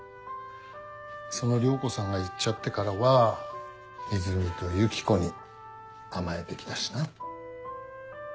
その涼子さんがいっちゃってからはイズミとユキコに甘えて来たしな。